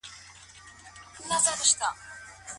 آیا صفوي امپراطورۍ په اخلاقي فساد کې ډوبه وه؟